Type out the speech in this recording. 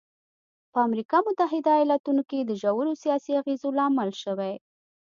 په امریکا متحده ایالتونو کې د ژورو سیاسي اغېزو لامل شوی.